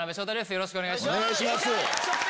よろしくお願いします。